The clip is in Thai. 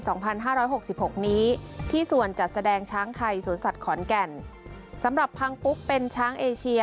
สองพันห้าร้อยหกสิบหกนี้ที่ส่วนจัดแสดงช้างไทยสวนสัตว์ขอนแก่นสำหรับพังปุ๊กเป็นช้างเอเชีย